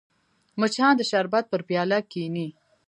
مچان د شربت پر پیاله کښېني